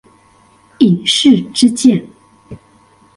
引誓之劍